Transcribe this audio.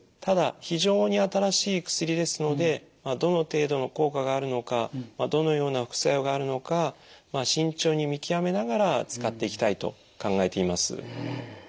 ただ非常に新しい薬ですのでどの程度の効果があるのかどのような副作用があるのか慎重に見極めながら使っていきたいと考えています。